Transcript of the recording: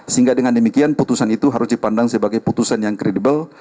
sehingga dengan demikian putusan itu harus dipandang sebagai putusan yang kredibel